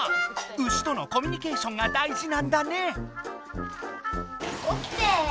牛とのコミュニケーションが大事なんだね。